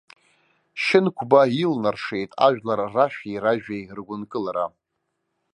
Шьынқәба илнаршеит ажәлар рашәеи ражәеи ргәынкылара.